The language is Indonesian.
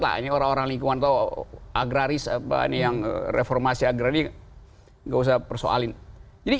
lah ini orang orang lingkungan kau agraris apaan yang reformasi agregi enggak usah persoalin jadi